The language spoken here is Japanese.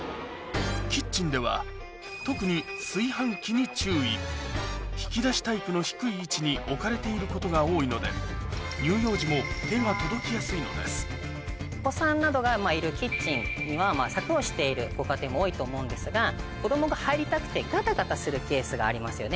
キッチンでは特に炊飯器に注意引き出しタイプの低い位置に置かれていることが多いので乳幼児も手が届きやすいのですお子さんなどがいるキッチンには柵をしているご家庭も多いと思うんですが子供が入りたくてガタガタするケースがありますよね。